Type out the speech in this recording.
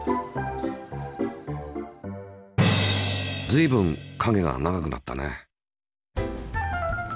ずいぶん影が長くなったね。